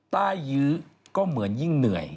ใต้ยื้อก็เหมือนยิ่งเหนื่อย